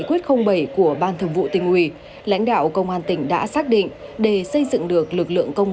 quyết bảy của ban thẩm vụ tình huy lãnh đạo công an tỉnh đã xác định để xây dựng được lực lượng công